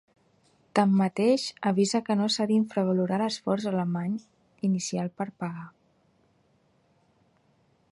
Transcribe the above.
Tanmateix, avisa que no s'ha d'infravalorar l'esforç alemany inicial per pagar.